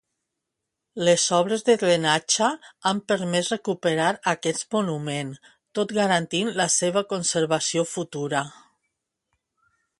Les obres de drenatge han permès recuperar aquest monument tot garantint la seva conservació futura.